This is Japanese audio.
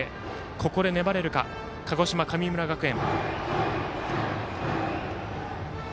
ここで粘れるか鹿児島、神村学園。